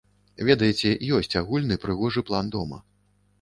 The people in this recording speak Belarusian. Ведаеце, ёсць агульны прыгожы план дома.